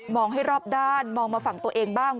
ให้รอบด้านมองมาฝั่งตัวเองบ้าง